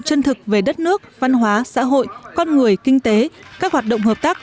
chân thực về đất nước văn hóa xã hội con người kinh tế các hoạt động hợp tác